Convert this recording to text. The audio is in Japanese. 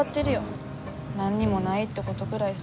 何にもないってことぐらいさ。